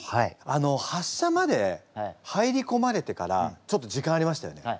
あの発射まで入りこまれてからちょっと時間ありましたよね。